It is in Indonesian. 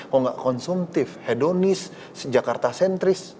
kalau tidak konsumtif hedonis jakarta sentris